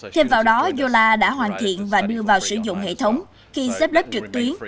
thêm vào đó yola đã hoàn thiện và đưa vào sử dụng hệ thống khi xếp lớp trực tuyến